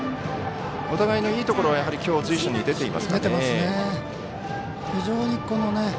お互いにいいところはきょう随所に出ていますかね。